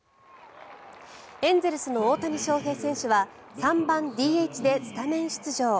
エンゼルスの大谷翔平選手は３番ＤＨでスタメン出場。